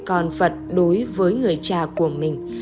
còn phật đối với người cha của mình